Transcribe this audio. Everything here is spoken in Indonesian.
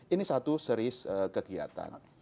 ini satu seri kegiatan